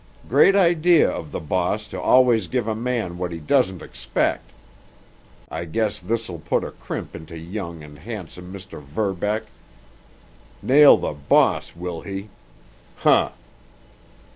Great idea of the boss to always give a man what he doesn't expect! I guess this'll put a crimp into young and handsome Mr. Verbeck. Nail the boss, will he? Huh!"